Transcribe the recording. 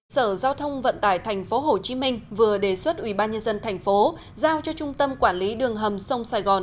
sở giao thông vận tải tp hcm vừa đề xuất ubnd tp giao cho trung tâm quản lý đường hầm sông sài gòn